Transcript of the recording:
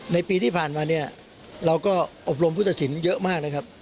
ในปีที่ผ่านมาเราก็อบรมผู้ตระสินเยอะมาก